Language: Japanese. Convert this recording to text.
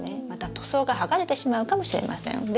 また塗装が剥がれてしまうかもしれません。